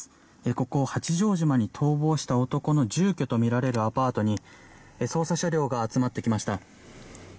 ここ、八丈島に逃亡した男の住居とみられるアパートに捜査車両が集まってきました。